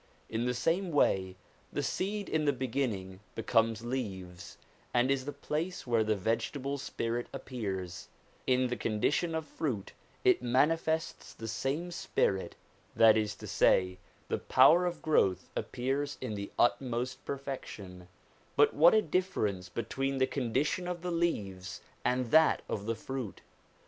In the same way the seed in the beginning becomes leaves, and is the place where the vegetable spirit appears ; in the condition of fruit it manifests the same spirit, that is to say, the power of growth appears in the utmost perfection: but what a difference between the con dition of the leaves and that of the fruit